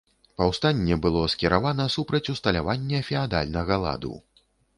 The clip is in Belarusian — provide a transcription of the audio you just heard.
Паўстанне было скіравана супраць усталявання феадальнага ладу.